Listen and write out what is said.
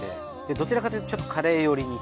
どちらかというとちょっとカレー寄りに。